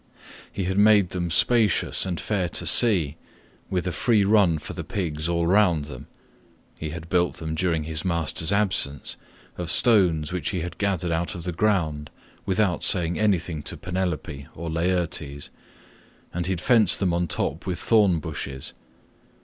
He had made them spacious126 and fair to see, with a free run for the pigs all round them; he had built them during his master's absence, of stones which he had gathered out of the ground, without saying anything to Penelope or Laertes, and he had fenced them on top with thorn bushes.